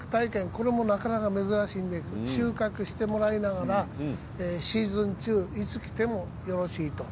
これもなかなか珍しいんんですけど収穫をしてもらいながらシーズン中いつ来てもよろしいと。